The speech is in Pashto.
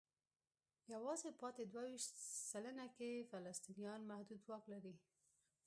یوازې پاتې دوه ویشت سلنه کې فلسطینیان محدود واک لري.